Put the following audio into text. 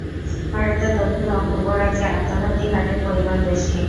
ভারতের দক্ষিণ ও পূর্ব রাজ্যে আত্মঘাতী হারের পরিমাণ বেশি।